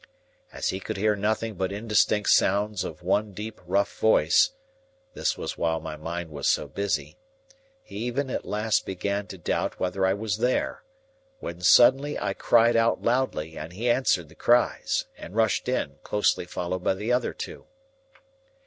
As he could hear nothing but indistinct sounds of one deep rough voice (this was while my mind was so busy), he even at last began to doubt whether I was there, when suddenly I cried out loudly, and he answered the cries, and rushed in, closely followed by the other two.